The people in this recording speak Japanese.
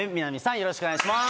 よろしくお願いします。